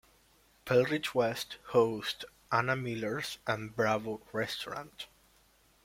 Pearlridge West hosts Anna Miller's and Bravo Restaurant.